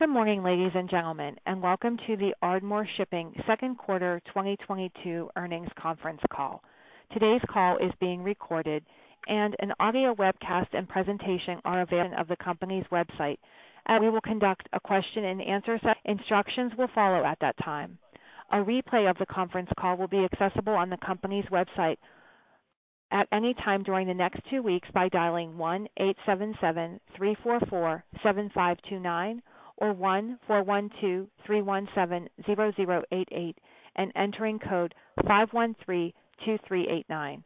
Good morning, ladies and gentlemen, and welcome to the Ardmore Shipping Q2 2022 earnings conference call. Today's call is being recorded, and an audio webcast and presentation are available on the company's website. We will conduct a question-and-answer session. Instructions will follow at that time. A replay of the conference call will be accessible on the company's website at any time during the next two weeks by dialing 1-877-344-7529 or 1-412-317-0088 and entering code 5132389.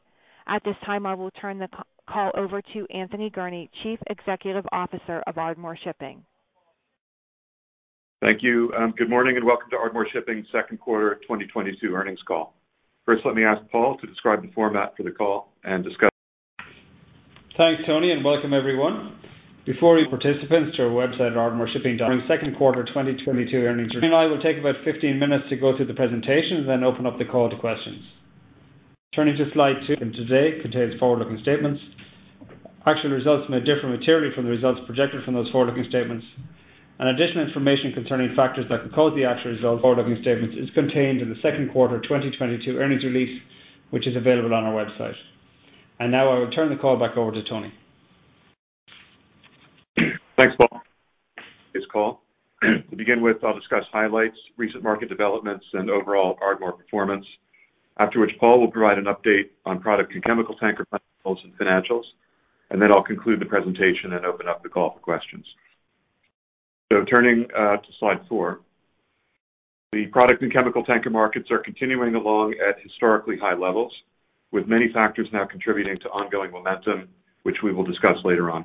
At this time, I will turn the call over to Anthony Gurnee, Chief Executive Officer of Ardmore Shipping. Thank you. Good morning and welcome to Ardmore Shipping Q2 2022 earnings call. First, let me ask Paul to describe the format for the call and discuss. Thanks, Tony, and welcome, everyone. Before we direct participants to our website, ardmoreshipping.com, Q2 2022 earnings. Tony and I will take about 15 minutes to go through the presentation, then open up the call to questions. Turning to slide 2, today contains forward-looking statements. Actual results may differ materially from the results projected from those forward-looking statements. Additional information concerning factors that could cause the actual results to differ from forward-looking statements is contained in the Q2 2022 earnings release, which is available on our website. Now I will turn the call back over to Tony. Thanks, Paul. To begin with, I'll discuss highlights, recent market developments, and overall Ardmore performance. After which, Paul will provide an update on product and chemical tanker financials, and then I'll conclude the presentation and open up the call for questions. Turning to slide four. The product and chemical tanker markets are continuing along at historically high levels, with many factors now contributing to ongoing momentum, which we will discuss later on.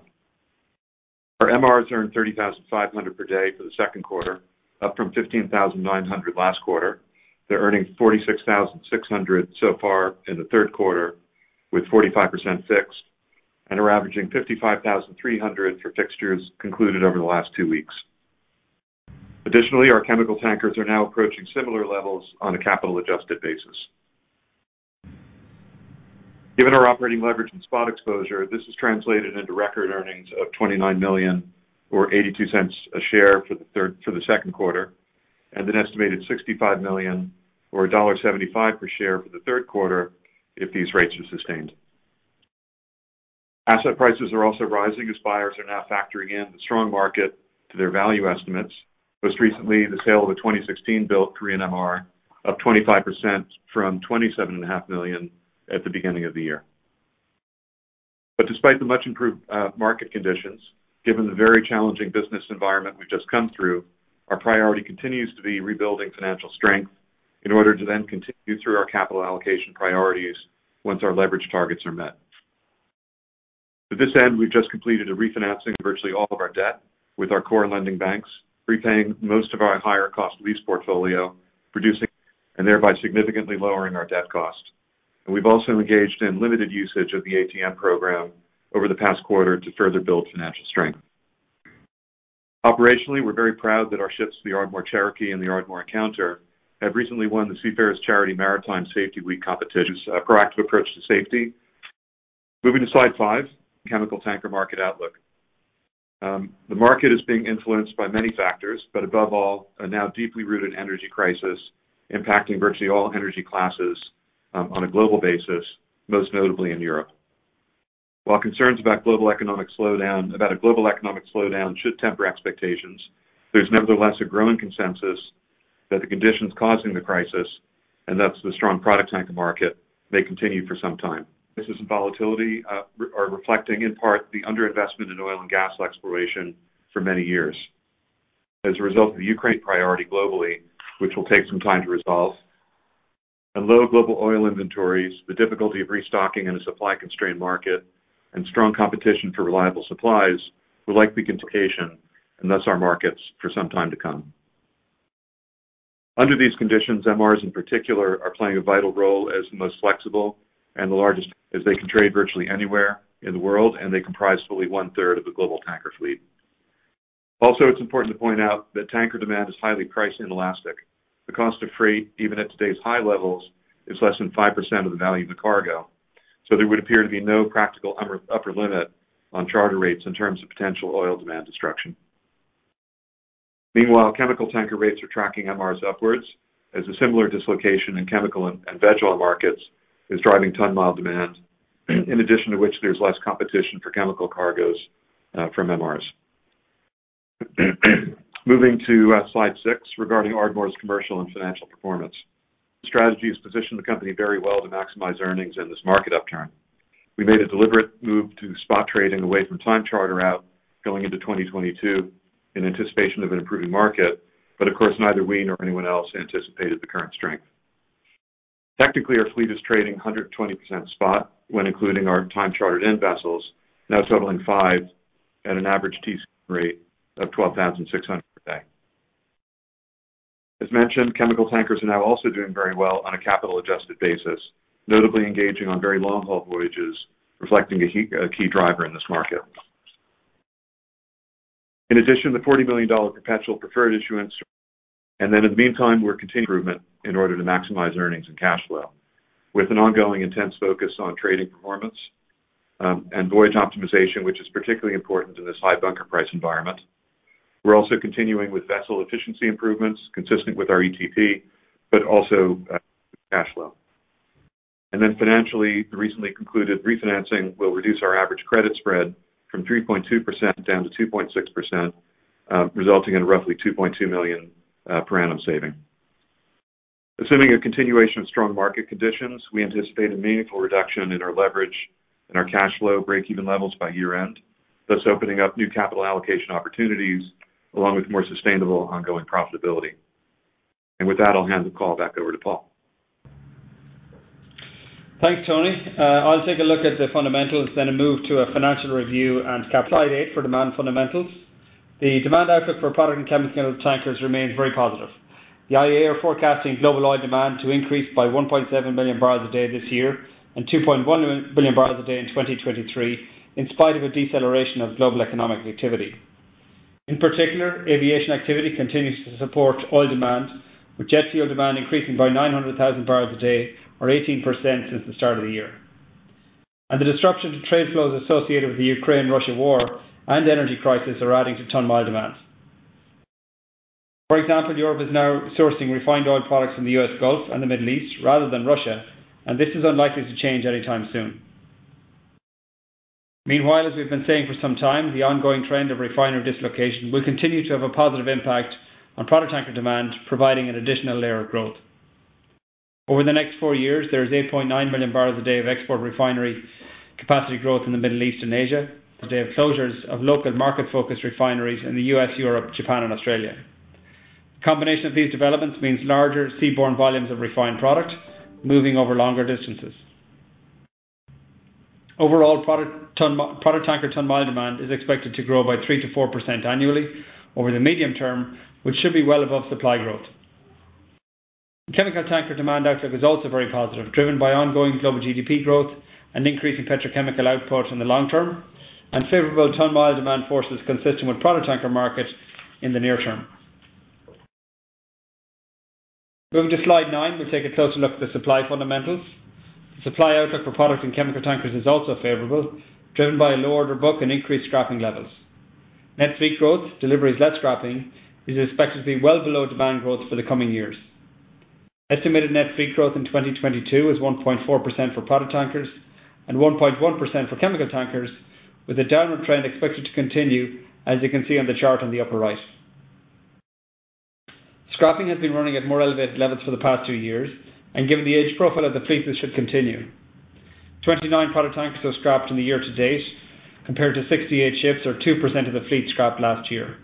Our MRs earned $30,500 per day for the Q2, up from $15,900 last quarter. They're earning $46,600 so far in the Q3, with 45% fixed, and are averaging $55,300 for fixtures concluded over the last two weeks. Additionally, our chemical tankers are now approaching similar levels on a capital-adjusted basis. Given our operating leverage and spot exposure, this has translated into record earnings of $29 million or $0.82 per share for the Q2, and an estimated $65 million or $1.75 per share for the Q3 if these rates are sustained. Asset prices are also rising as buyers are now factoring in the strong market to their value estimates. Most recently, the sale of a 2016 built Korean MR of 25% from $27.5 million at the beginning of the year. Despite the much improved market conditions, given the very challenging business environment we've just come through, our priority continues to be rebuilding financial strength in order to then continue through our capital allocation priorities once our leverage targets are met. To this end, we've just completed a refinancing of virtually all of our debt with our core lending banks, repaying most of our higher cost lease portfolio, reducing and thereby significantly lowering our debt cost. We've also engaged in limited usage of the ATM program over the past quarter to further build financial strength. Operationally, we're very proud that our ships, the Ardmore Cherokee and the Ardmore Encounter, have recently won The Seafarers' Charity Maritime Safety Week competition's proactive approach to safety. Moving to slide five, chemical tanker market outlook. The market is being influenced by many factors, but above all, a now deeply rooted energy crisis impacting virtually all energy classes, on a global basis, most notably in Europe. While concerns about a global economic slowdown should temper expectations, there's nevertheless a growing consensus that the conditions causing the crisis, and thus the strong product tanker market, may continue for some time. This volatility is reflecting, in part, the under-investment in oil and gas exploration for many years. As a result of the war in Ukraine globally, which will take some time to resolve, and low global oil inventories, the difficulty of restocking in a supply-constrained market and strong competition for reliable supplies will likely continue, and thus our markets for some time to come. Under these conditions, MRs in particular are playing a vital role as the most flexible and the largest, as they can trade virtually anywhere in the world, and they comprise fully one-third of the global tanker fleet. It's important to point out that tanker demand is highly priced and elastic. The cost of freight, even at today's high levels, is less than 5% of the value of the cargo. There would appear to be no practical upper limit on charter rates in terms of potential oil demand destruction. Meanwhile, chemical tanker rates are tracking MRs upwards as a similar dislocation in chemical and veg oil markets is driving ton-mile demand, in addition to which there's less competition for chemical cargoes from MRs. Moving to slide six regarding Ardmore's commercial and financial performance. The strategy has positioned the company very well to maximize earnings in this market upturn. We made a deliberate move to spot trading away from time charter out going into 2022 in anticipation of an improving market. Of course, neither we nor anyone else anticipated the current strength. Tactically, our fleet is trading 120% spot when including our time chartered-in vessels, now totaling 5 at an average TC rate of $12,600 per day. As mentioned, chemical tankers are now also doing very well on a capital-adjusted basis, notably engaging on very long-haul voyages, reflecting a key driver in this market. In addition, the $40 million perpetual preferred issuance. Then in the meantime, we're continuing improvement in order to maximize earnings and cash flow with an ongoing intense focus on trading performance, and voyage optimization, which is particularly important in this high bunker price environment. We're also continuing with vessel efficiency improvements consistent with our ETP, but also cash flow. Financially, the recently concluded refinancing will reduce our average credit spread from 3.2% down to 2.6%, resulting in roughly $2.2 million per annum saving. Assuming a continuation of strong market conditions, we anticipate a meaningful reduction in our leverage and our cash flow breakeven levels by year-end, thus opening up new capital allocation opportunities along with more sustainable ongoing profitability. With that, I'll hand the call back over to Paul. Thanks, Tony. I'll take a look at the fundamentals then move to a financial review and capital. Slide 8 for demand fundamentals. The demand outlook for product and chemical tankers remains very positive. The IEA are forecasting global oil demand to increase by 1.7 billion barrels a day this year and 2.1 billion barrels a day in 2023, in spite of a deceleration of global economic activity. In particular, aviation activity continues to support oil demand, with jet fuel demand increasing by 900,000 barrels a day or 18% since the start of the year. The disruption to trade flows associated with the Ukraine-Russia war and energy crisis are adding to ton-mile demand. For example, Europe is now sourcing refined oil products from the U.S. Gulf and the Middle East rather than Russia, and this is unlikely to change anytime soon. Meanwhile, as we've been saying for some time, the ongoing trend of refinery dislocation will continue to have a positive impact on product tanker demand, providing an additional layer of growth. Over the next 4 years, there is 8.9 million barrels a day of export refinery capacity growth in the Middle East and Asia. The closures of local market-focused refineries in the U.S., Europe, Japan, and Australia. Combination of these developments means larger seaborne volumes of refined product moving over longer distances. Overall, product tanker ton-mile demand is expected to grow by 3%-4% annually over the medium term, which should be well above supply growth. Chemical tanker demand outlook is also very positive, driven by ongoing global GDP growth and increasing petrochemical output in the long term, and favorable ton-mile demand forces consistent with product tanker market in the near term. Moving to slide 9, we'll take a closer look at the supply fundamentals. The supply outlook for product and chemical tankers is also favorable, driven by a low order book and increased scrapping levels. Net fleet growth, deliveries less scrapping, is expected to be well below demand growth for the coming years. Estimated net fleet growth in 2022 is 1.4% for product tankers and 1.1% for chemical tankers, with a downward trend expected to continue, as you can see on the chart on the upper right. Scrapping has been running at more elevated levels for the past 2 years, and given the age profile of the fleet, this should continue. 29 product tankers are scrapped in the year to date, compared to 68 ships or 2% of the fleet scrapped last year.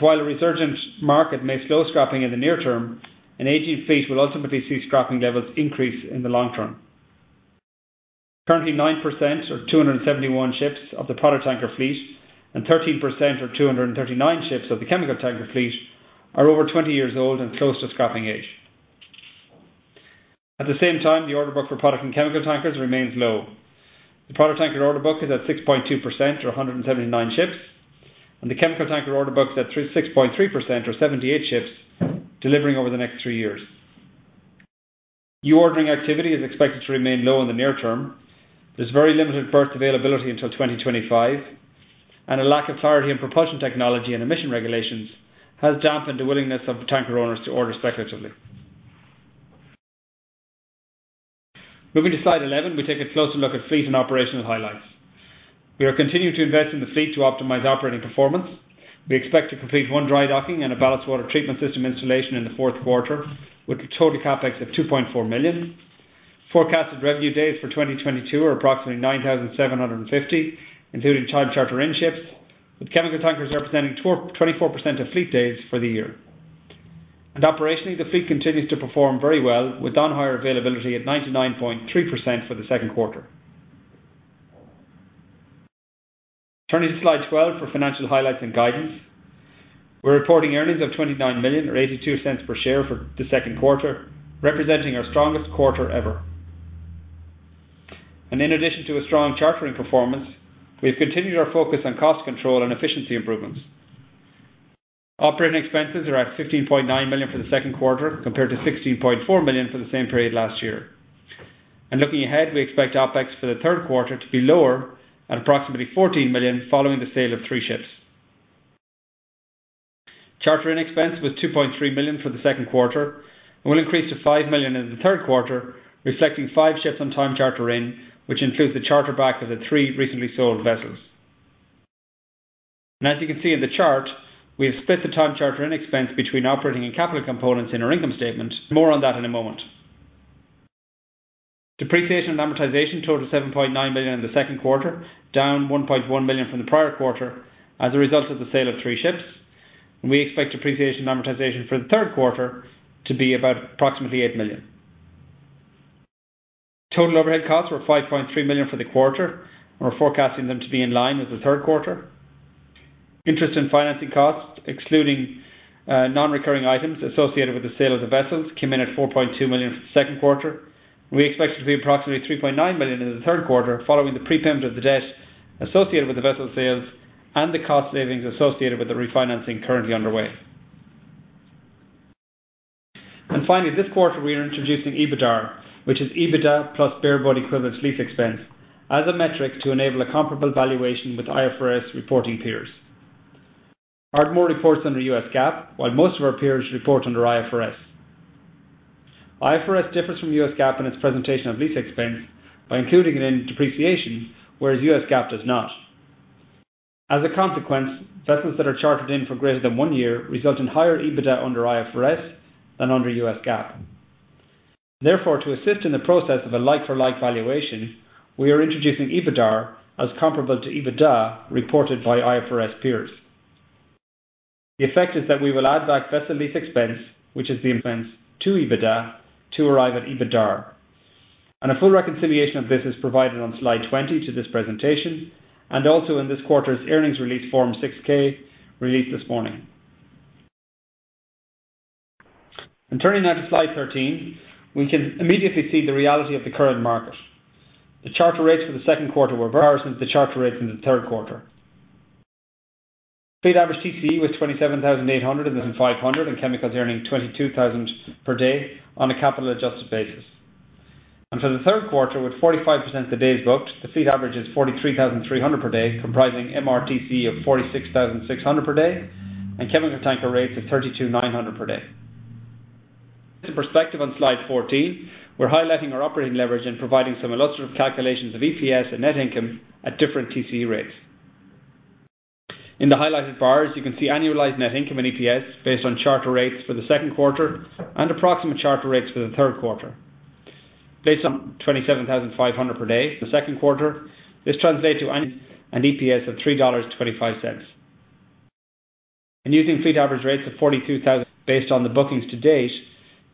While a resurgent market may slow scrapping in the near term, an aging fleet will ultimately see scrapping levels increase in the long term. Currently, 9% or 271 ships of the product tanker fleet and 13% or 239 ships of the chemical tanker fleet are over 20 years old and close to scrapping age. At the same time, the order book for product and chemical tankers remains low. The product tanker order book is at 6.2% or 179 ships, and the chemical tanker order book is at 6.3% or 78 ships delivering over the next three years. New ordering activity is expected to remain low in the near term. There's very limited berth availability until 2025, and a lack of priority in propulsion technology and emission regulations has dampened the willingness of tanker owners to order speculatively. Moving to slide 11, we take a closer look at fleet and operational highlights. We are continuing to invest in the fleet to optimize operating performance. We expect to complete 1 dry docking and a ballast water treatment system installation in the Q4 with a total CapEx of $2.4 million. Forecasted revenue days for 2022 are approximately 9,750, including time charter in ships, with chemical tankers representing 24% of fleet days for the year. Operationally, the fleet continues to perform very well, with on-hire availability at 99.3% for the Q2. Turning to slide 12 for financial highlights and guidance. We're reporting earnings of $29 million or $0.82 per share for the Q2, representing our strongest quarter ever. In addition to a strong chartering performance, we have continued our focus on cost control and efficiency improvements. Operating expenses are at $15.9 million for the Q2 compared to $16.4 million for the same period last year. Looking ahead, we expect OpEx for the Q3 to be lower at approximately $14 million following the sale of three ships. Charter in expense was $2.3 million for the Q2 and will increase to $5 million in the Q3, reflecting five ships on time charter in, which includes the charter back of the three recently sold vessels. As you can see in the chart, we have split the time charter in expense between operating and capital components in our income statement. More on that in a moment. Depreciation and amortization total $7.9 million in the Q2, down $1.1 million from the prior quarter as a result of the sale of three ships. We expect depreciation and amortization for the Q3 to be about approximately $8 million. Total overhead costs were $5.3 million for the quarter. We're forecasting them to be in line with the Q3. Interest in financing costs, excluding non-recurring items associated with the sale of the vessels, came in at $4.2 million for the Q2. We expect it to be approximately $3.9 million in the Q3 following the prepayment of the debt associated with the vessel sales and the cost savings associated with the refinancing currently underway. Finally, this quarter we are introducing EBITDAR, which is EBITDA plus bareboat equivalent lease expense as a metric to enable a comparable valuation with IFRS reporting peers. Ardmore reports under U.S. GAAP, while most of our peers report under IFRS. IFRS differs from U.S. GAAP in its presentation of lease expense by including it in depreciation, whereas U.S. GAAP does not. As a consequence, vessels that are chartered in for greater than one year result in higher EBITDA under IFRS than under U.S. GAAP. Therefore, to assist in the process of a like-for-like valuation, we are introducing EBITDAR as comparable to EBITDA reported by IFRS peers. The effect is that we will add back vessel lease expense, which is the expense to EBITDA to arrive at EBITDAR. A full reconciliation of this is provided on slide 20 to this presentation and also in this quarter's earnings release Form 6-K released this morning. Turning now to slide 13, we can immediately see the reality of the current market. The charter rates for the Q2 were since the charter rates in the Q3. Average TCE was $27,850, and chemicals earning $22,000 per day on a capital adjusted basis. For the Q3, with 45% to date booked, the fleet average is $43,300 per day, comprising MRTC of $46,600 per day and chemical tanker rates of $32,900 per day. For perspective on slide 14, we're highlighting our operating leverage and providing some illustrative calculations of EPS and net income at different TCE rates. In the highlighted bars, you can see annualized net income and EPS based on charter rates for the Q2 and approximate charter rates for the Q3. Based on $27,500 per day the Q2. This translates to and EPS of $3.25. Using fleet average rates of $42,000 based on the bookings to date,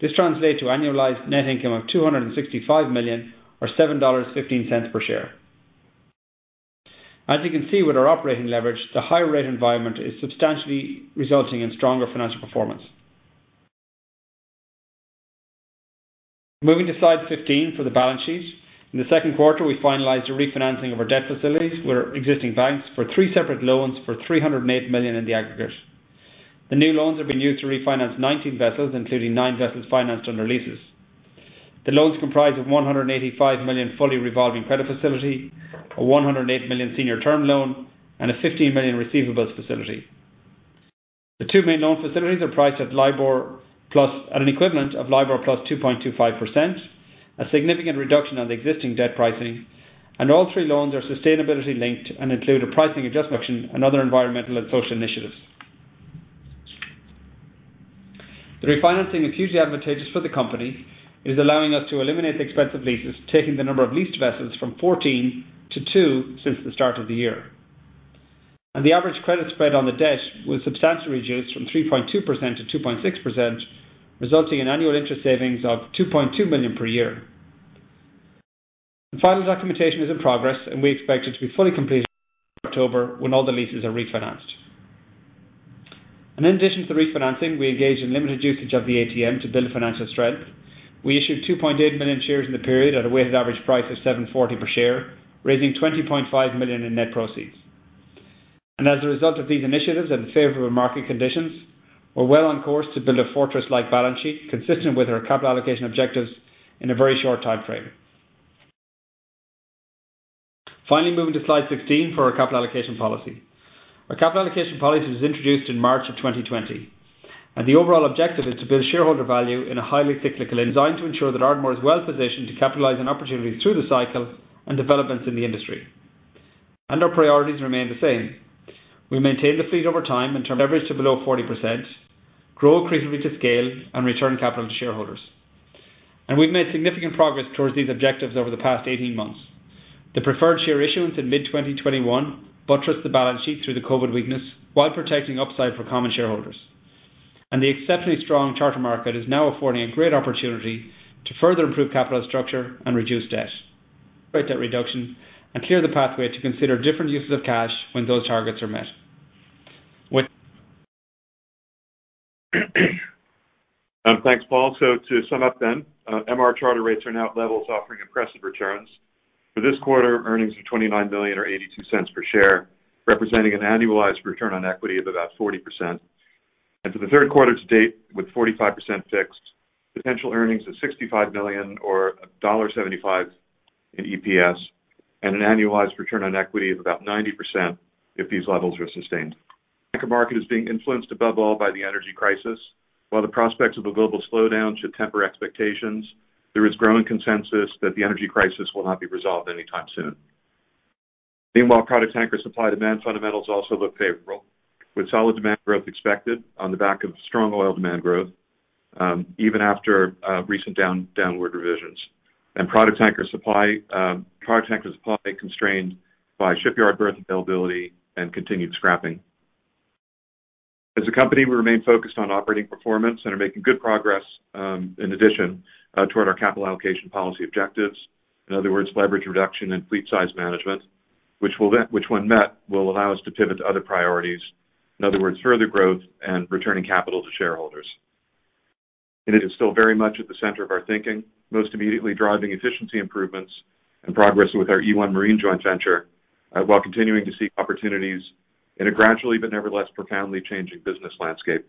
this translates to annualized net income of $265 million or $7.15 per share. As you can see with our operating leverage, the high rate environment is substantially resulting in stronger financial performance. Moving to slide 15 for the balance sheet. In the Q2, we finalized a refinancing of our debt facilities with our existing banks for three separate loans for $308 million in the aggregate. The new loans have been used to refinance 19 vessels, including 9 vessels financed under leases. The loans comprise of $185 million fully revolving credit facility, a $108 million senior term loan, and a $15 million receivables facility. The two main loan facilities are priced at an equivalent of LIBOR plus 2.25%. A significant reduction on the existing debt pricing, and all three loans are sustainability-linked and include a pricing adjustment and other environmental and social initiatives. The refinancing is hugely advantageous for the company. It is allowing us to eliminate the expensive leases, taking the number of leased vessels from 14 to 2 since the start of the year. The average credit spread on the debt was substantially reduced from 3.2% to 2.6%, resulting in annual interest savings of $2.2 million per year. The final documentation is in progress, and we expect it to be fully completed October, when all the leases are refinanced. In addition to the refinancing, we engaged in limited usage of the ATM to build financial strength. We issued 2.8 million shares in the period at a weighted average price of $7.40 per share, raising $20.5 million in net proceeds. As a result of these initiatives and favorable market conditions, we're well on course to build a fortress-like balance sheet consistent with our capital allocation objectives in a very short timeframe. Finally, moving to slide 16 for our capital allocation policy. Our capital allocation policy was introduced in March of 2020, and the overall objective is to build shareholder value in a highly cyclical industry designed to ensure that Ardmore is well-positioned to capitalize on opportunities through the cycle and developments in the industry. Our priorities remain the same. We maintain the fleet over time and turn leverage to below 40%, grow accretively to scale, and return capital to shareholders. We've made significant progress towards these objectives over the past 18 months. The preferred share issuance in mid-2021 buttressed the balance sheet through the COVID weakness while protecting upside for common shareholders. The exceptionally strong charter market is now affording a great opportunity to further improve capital structure and reduce debt reduction and clear the pathway to consider different uses of cash when those targets are met. Thanks, Paul. To sum up then, MR charter rates are now at levels offering impressive returns. For this quarter, earnings of $29 million or $0.82 per share, representing an annualized return on equity of about 40%. For the Q3 to date, with 45% fixed, potential earnings of $65 million or $1.75 in EPS and an annualized return on equity of about 90% if these levels are sustained. Market is being influenced above all by the energy crisis. While the prospects of a global slowdown should temper expectations, there is growing consensus that the energy crisis will not be resolved anytime soon. Meanwhile, product tanker supply demand fundamentals also look favorable, with solid demand growth expected on the back of strong oil demand growth, even after recent downward revisions. Product tanker supply constrained by shipyard berth availability and continued scrapping. As a company, we remain focused on operating performance and are making good progress, in addition, toward our capital allocation policy objectives, in other words, leverage reduction and fleet size management, which when met, will allow us to pivot to other priorities. In other words, further growth and returning capital to shareholders. It is still very much at the center of our thinking, most immediately driving efficiency improvements and progress with our e1 Marine joint venture, while continuing to seek opportunities in a gradually but nevertheless profoundly changing business landscape.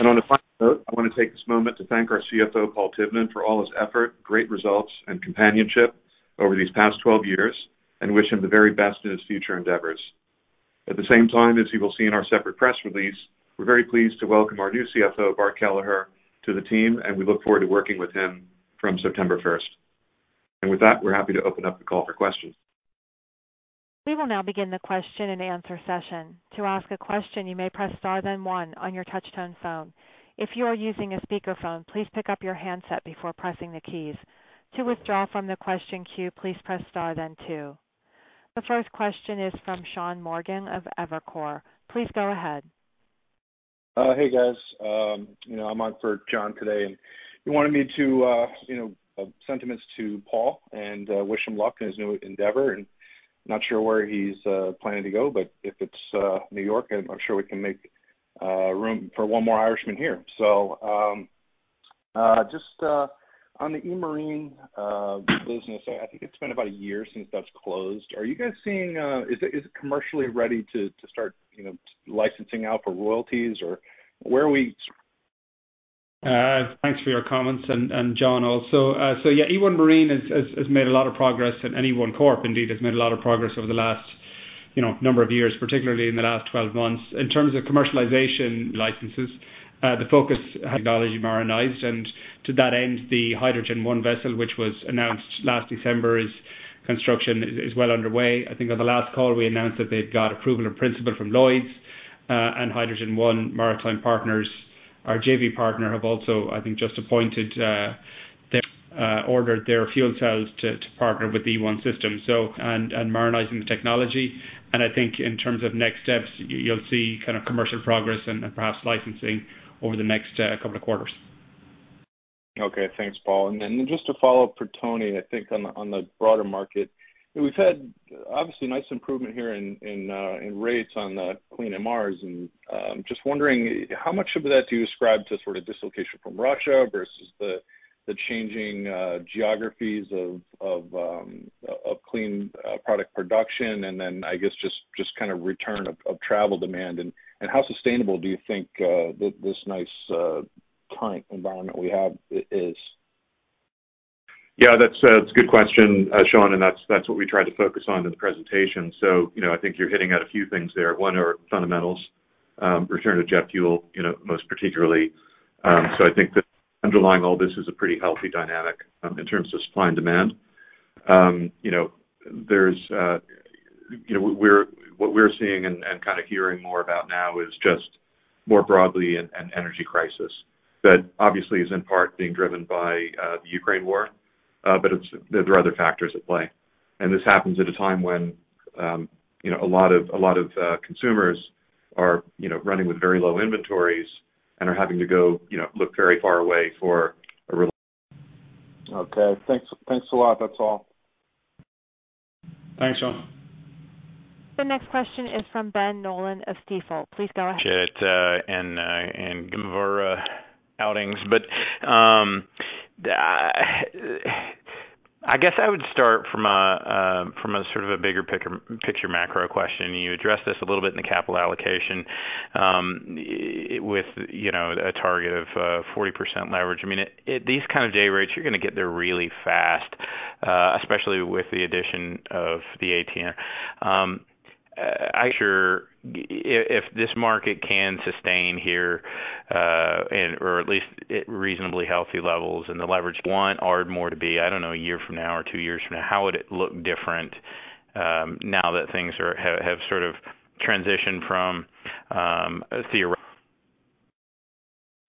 On a final note, I wanna take this moment to thank our CFO, Paul Tivnan, for all his effort, great results, and companionship over these past 12 years, and wish him the very best in his future endeavors. At the same time, as you will see in our separate press release, we're very pleased to welcome our new CFO, Bart Kelleher, to the team, and we look forward to working with him from September first. With that, we're happy to open up the call for questions. We will now begin the question and answer session. To ask a question, you may press star then one on your touch-tone phone. If you are using a speakerphone, please pick up your handset before pressing the keys. To withdraw from the question queue, please press star then two. The first question is from Sean Morgan of Evercore. Please go ahead. Hey guys. You know, I'm on for John today, and he wanted me to, you know, sentiments to Paul and wish him luck in his new endeavor. Not sure where he's planning to go, but if it's New York, I'm sure we can make room for one more Irishman here. Just on the e1 Marine business, I think it's been about a year since that's closed. Are you guys seeing is it commercially ready to start, you know, licensing out for royalties or where are we? Thanks for your comments and John also. Yeah, e1 Marine has made a lot of progress and Element 1 Corp indeed has made a lot of progress over the last, you know, number of years, particularly in the last 12 months. In terms of commercialization licenses, the focus Technology marinized. To that end, the Hydrogen One vessel, which was announced last December, its construction is well underway. I think on the last call, we announced that they've got approval in principle from Lloyd's, and Hydrogen One, Maritime Partners. Our JV partner have also, I think, just ordered their fuel cells to partner with the e1 system, and marinizing the technology. I think in terms of next steps, you'll see kind of commercial progress and perhaps licensing over the next couple of quarters. Okay. Thanks, Paul. Then just to follow up for Tony, I think on the broader market, we've had obviously nice improvement here in rates on the clean MRs. Just wondering how much of that do you ascribe to sort of dislocation from Russia versus the changing geographies of clean product production and then I guess just kind of return of travel demand, and how sustainable do you think this nice clean environment we have is? Yeah, that's a good question, Sean, and that's what we tried to focus on in the presentation. You know, I think you're hitting at a few things there. One are fundamentals, return to jet fuel, you know, most particularly. I think that underlying all this is a pretty healthy dynamic in terms of supply and demand. You know, there's you know, what we're seeing and kind of hearing more about now is just more broadly an energy crisis that obviously is in part being driven by the Ukraine war. It's, there are other factors at play. This happens at a time when, you know, a lot of consumers are, you know, running with very low inventories and are having to go, you know, look very far away for a real. Okay, thanks. Thanks a lot. That's all. Thanks, Sean. The next question is from Ben Nolan of Stifel. Please go ahead. And give our outlook. I guess I would start from a sort of a bigger picture macro question. You addressed this a little bit in the capital allocation, with, you know, a target of 40% leverage. I mean, at these kind of day rates, you're gonna get there really fast, especially with the addition of the ATM. I sure if this market can sustain here, and/or at least at reasonably healthy levels and the leverage you want Ardmore to be, I don't know, a year from now or two years from now. How would it look different, now that things have sort of transitioned from a theor.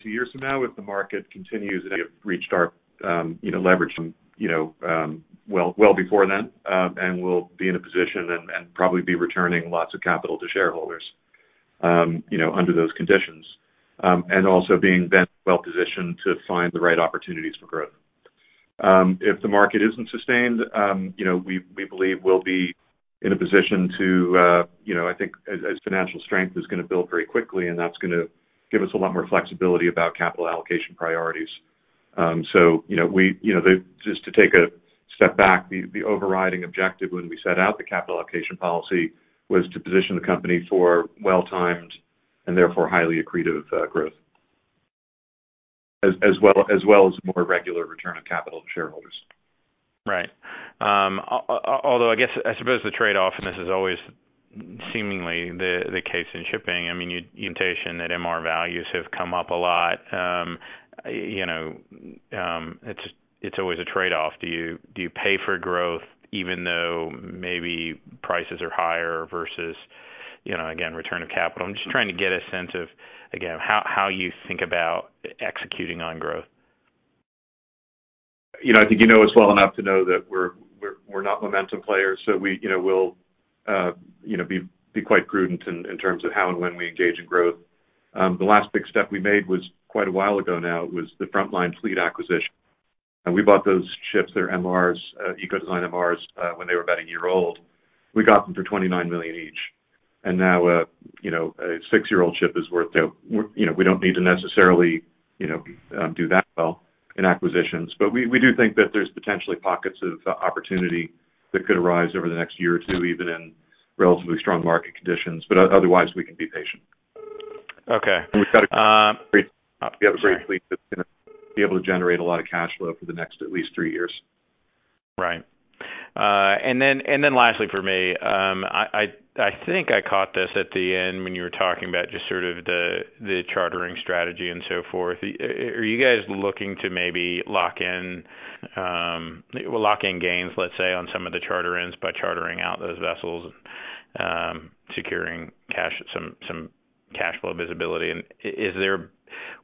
Two years from now, if the market continues, I think we've reached our, you know, leverage, you know, well before then, and we'll be in a position and probably be returning lots of capital to shareholders, you know, under those conditions. Also being then well-positioned to find the right opportunities for growth. If the market isn't sustained, you know, we believe we'll be in a position to, you know, I think as financial strength is gonna build very quickly, and that's gonna give us a lot more flexibility about capital allocation priorities. You know, just to take a step back, the overriding objective when we set out the capital allocation policy was to position the company for well-timed and therefore highly accretive growth. As well as more regular return of capital to shareholders. Right. Although, I guess, I suppose the trade-off, and this is always seemingly the case in shipping. You mentioned that MR values have come up a lot. You know, it's always a trade-off. Do you pay for growth even though maybe prices are higher versus return of capital? I'm just trying to get a sense of how you think about executing on growth. You know, I think you know us well enough to know that we're not momentum players, so we, you know, we'll, you know, be quite prudent in terms of how and when we engage in growth. The last big step we made was quite a while ago now. It was the Frontline fleet acquisition, and we bought those ships, their MRs, eco-design MRs, when they were about a year old. We got them for $29 million each, and now, you know, a six-year-old ship is worth, you know, we don't need to necessarily, you know, do that well in acquisitions. We do think that there's potentially pockets of opportunity that could arise over the next year or two, even in relatively strong market conditions. Otherwise we can be patient. Okay. We've got a great fleet that's gonna be able to generate a lot of cash flow for the next at least three years. Right. Lastly for me, I think I caught this at the end when you were talking about just sort of the chartering strategy and so forth. Are you guys looking to maybe lock in, well, lock in gains, let's say, on some of the charter ins by chartering out those vessels, securing cash, some cash flow visibility?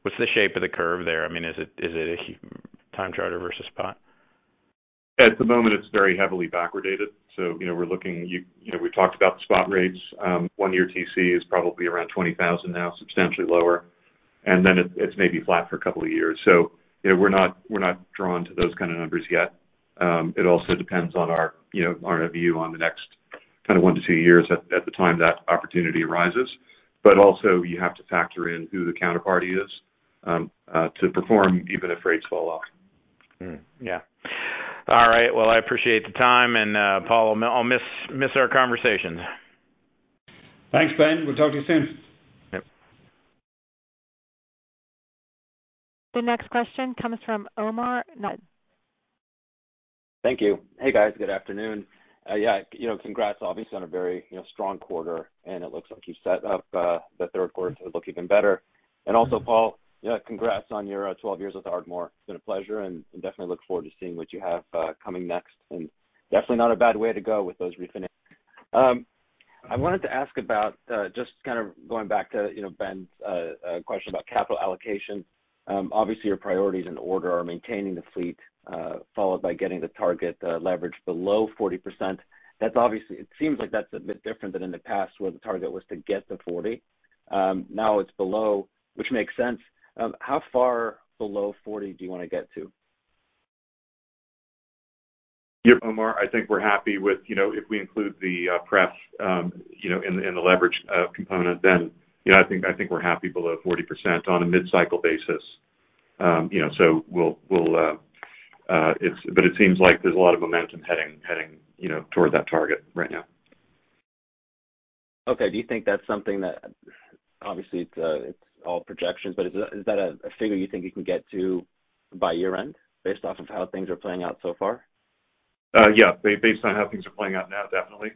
What's the shape of the curve there? I mean, is it a time charter versus spot? At the moment, it's very heavily backwardated. You know, we're looking, you know, we've talked about the spot rates. One-year TC is probably around $20,000 now, substantially lower, and then it's maybe flat for a couple of years. You know, we're not drawn to those kind of numbers yet. It also depends on our, you know, our view on the next kind of 1-2 years at the time that opportunity arises. Also you have to factor in who the counterparty is, to perform even if rates fall off. All right, well, I appreciate the time, and Paul, I'll miss our conversations. Thanks, Ben. We'll talk to you soon. Yep. The next question comes from Omar Nokta. Thank you. Hey, guys. Good afternoon. Yeah, you know, congrats obviously on a very, you know, strong quarter, and it looks like you set up the Q3 to look even better. Also, Paul, you know, congrats on your 12 years with Ardmore. It's been a pleasure, and definitely look forward to seeing what you have coming next. Definitely not a bad way to go with those refinance. I wanted to ask about just kind of going back to, you know, Ben's question about capital allocation. Obviously your priorities in order are maintaining the fleet, followed by getting the target leverage below 40%. That's obviously it seems like that's a bit different than in the past, where the target was to get to 40. Now it's below, which makes sense. How far below 40 do you wanna get to? Yep, Omar, I think we're happy with, you know, if we include the preferred, you know, in the leverage component, then, you know, I think we're happy below 40% on a mid-cycle basis. You know, it seems like there's a lot of momentum heading, you know, toward that target right now. Okay. Do you think that's something that obviously it's all projections, but is that a figure you think you can get to by year-end based off of how things are playing out so far? Yeah. Based on how things are playing out now, definitely.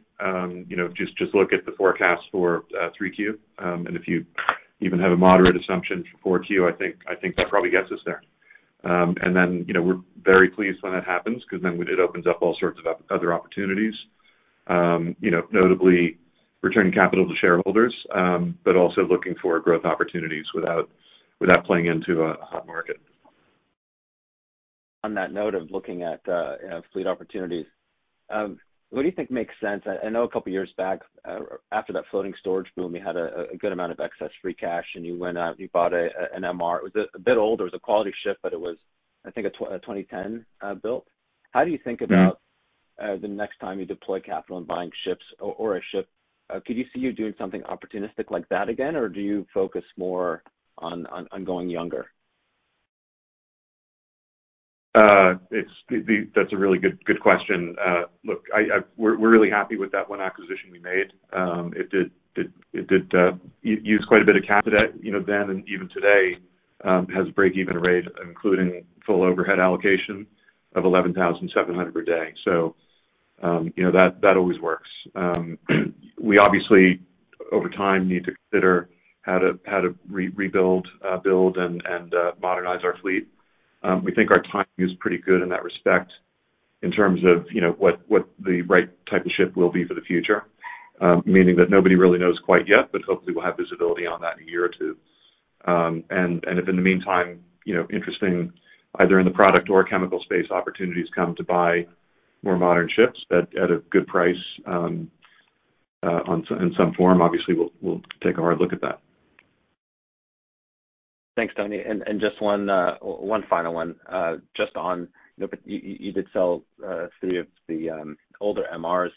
You know, just look at the forecast for 3Q. If you even have a moderate assumption for 4Q, I think that probably gets us there. You know, we're very pleased when that happens, 'cause then it opens up all sorts of other opportunities, you know, notably returning capital to shareholders, but also looking for growth opportunities without playing into a hot market. On that note of looking at, you know, fleet opportunities, what do you think makes sense? I know a couple of years back, after that floating storage boom, you had a good amount of excess free cash, and you went out and you bought an MR. It was a bit older. It was a quality ship, but it was, I think, a 2010 built. How do you think about. The next time you deploy capital in buying ships or a ship? Could you see you doing something opportunistic like that again, or do you focus more on going younger? That's a really good question. Look, we're really happy with that one acquisition we made. It did use quite a bit of capital, you know, then and even today has breakeven rate, including full overhead allocation of $11,700 per day. You know, that always works. We obviously over time need to consider how to rebuild and modernize our fleet. We think our timing is pretty good in that respect in terms of, you know, what the right type of ship will be for the future, meaning that nobody really knows quite yet, but hopefully we'll have visibility on that in a year or two. If in the meantime, you know, interesting either in the product or chemical space opportunities come to buy more modern ships at a good price, in some form, obviously, we'll take a hard look at that. Thanks, Tony. Just one final one, just on, you know, but you did sell three of the older MRs.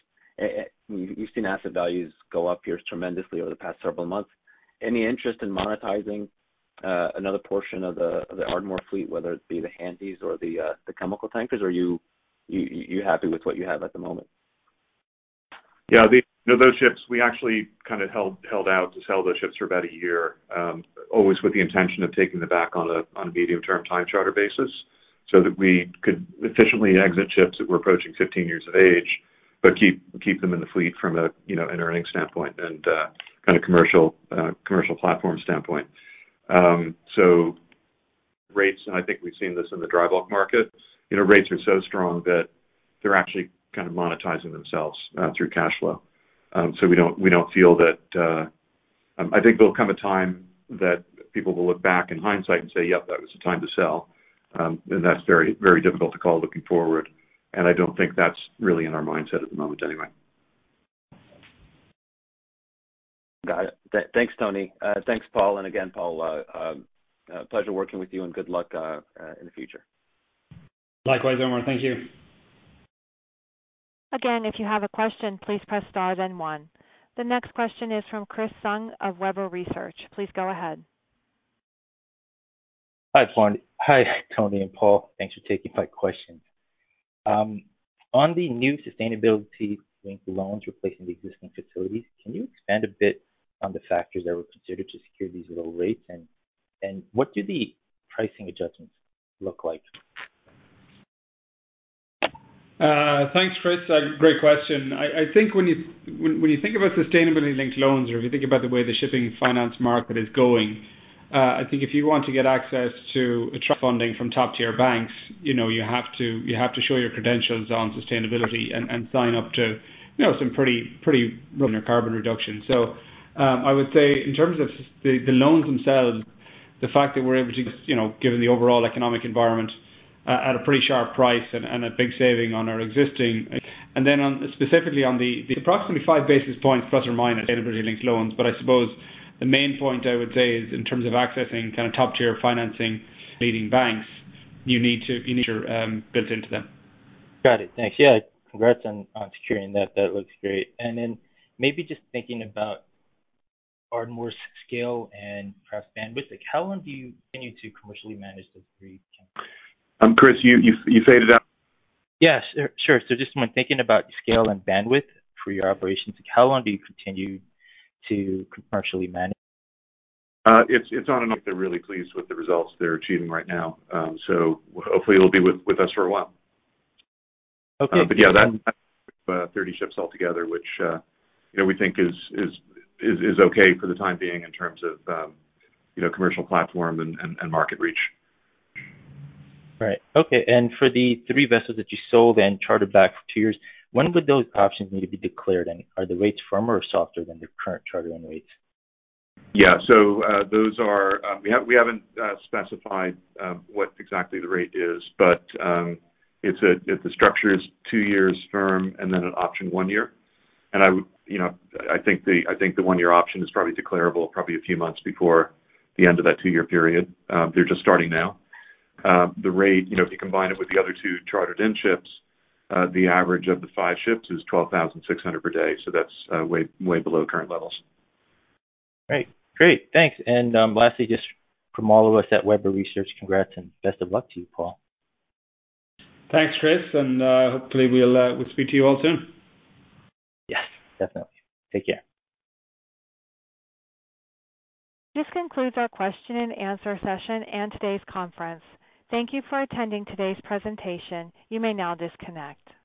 You've seen asset values go up here tremendously over the past several months. Any interest in monetizing another portion of the Ardmore fleet, whether it be the Handysize or the chemical tankers, or are you happy with what you have at the moment? Yeah. You know, those ships, we actually kind of held out to sell those ships for about a year, always with the intention of taking them back on a medium-term time charter basis so that we could efficiently exit ships that were approaching 15 years of age, but keep them in the fleet from a, you know, an earning standpoint and kind of commercial platform standpoint. Rates. I think we've seen this in the dry bulk market. You know, rates are so strong that they're actually kind of monetizing themselves through cash flow. We don't feel that. I think there'll come a time that people will look back in hindsight and say, "Yep, that was the time to sell." That's very, very difficult to call looking forward, and I don't think that's really in our mindset at the moment anyway. Got it. Thanks, Tony. Thanks, Paul. Again, Paul, pleasure working with you and good luck in the future. Likewise, Omar. Thank you. Again, if you have a question, please press star then one. The next question is from Chris Tsung of Webber Research & Advisory. Please go ahead. Hi, Paul. Hi, Tony and Paul. Thanks for taking my questions. On the new sustainability-linked loans replacing the existing facilities, can you expand a bit on the factors that were considered to secure these low rates? What do the pricing adjustments look like? Thanks, Chris. Great question. I think when you think about sustainability-linked loans or if you think about the way the shipping finance market is going, I think if you want to get access to funding from top-tier banks, you know, you have to show your credentials on sustainability and sign up to, you know, some pretty carbon reduction. I would say in terms of the loans themselves, the fact that we're able to, you know, given the overall economic environment, at a pretty sharp price and a big saving on our existing. Then on, specifically on the approximately five basis points plus or minus availability-linked loans. I suppose the main point I would say is in terms of accessing kind of top-tier financing leading banks, you need to build into them. Got it. Thanks. Yeah. Congrats on securing that. That looks great. Maybe just thinking about Ardmore's scale and perhaps bandwidth, like how long do you continue to commercially manage the three camps? Chris, you faded out. Yes, sure. Just when thinking about scale and bandwidth for your operations, how long do you continue to commercially manage? It's not enough. They're really pleased with the results they're achieving right now. Hopefully it'll be with us for a while. Okay. Yeah, that's 30 ships altogether, which, you know, we think is okay for the time being in terms of, you know, commercial platform and market reach. Right. Okay. For the three vessels that you sold and chartered back for two years, when would those options need to be declared, and are the rates firmer or softer than the current charter-in rates? Those are. We haven't specified what exactly the rate is, but it's. If the structure is two years firm and then an option one year and I would, you know, I think the one-year option is probably declarable a few months before the end of that two-year period. They're just starting now. The rate, you know, if you combine it with the other two chartered-in ships, the average of the five ships is $12,600 per day, so that's way below current levels. Great. Thanks. Lastly, just from all of us at Webber Research, congrats and best of luck to you, Paul. Thanks, Chris, and hopefully we'll speak to you all soon. Yes, definitely. Take care. This concludes our question and answer session and today's conference. Thank you for attending today's presentation. You may now disconnect.